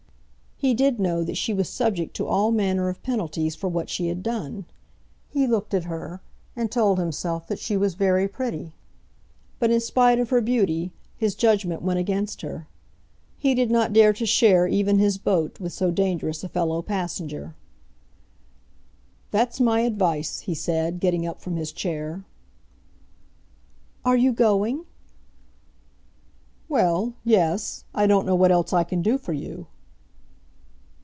He did know that she was subject to all manner of penalties for what she had done. He looked at her, and told himself that she was very pretty. But in spite of her beauty, his judgment went against her. He did not dare to share even his boat with so dangerous a fellow passenger. "That's my advice," he said, getting up from his chair. "Are you going?" "Well; yes; I don't know what else I can do for you."